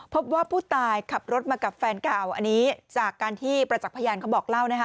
พบว่าผู้ตายขับรถมากับแฟนเก่าอันนี้จากการที่ประจักษ์พยานเขาบอกเล่านะคะ